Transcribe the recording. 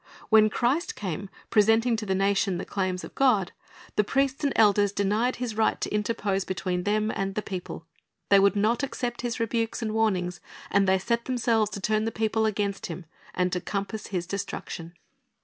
When Christ came, presenting to the nation the claims of God, the priests •Jer. 5:9 The Lord's Vineyard 305 and elders denied His right to interpose between them and the people. They would not accept His rebukes and warnings, and they set themselves to turn the people against Him and to compass His destruction.